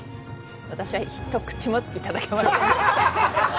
私は一口もいただけませんでした。